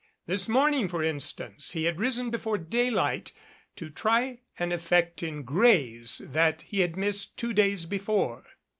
This morning for instance he had risen before daylight to try an effect in grays that he had misssed two days before.